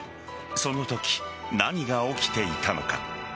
そのとき何が起きていたのか。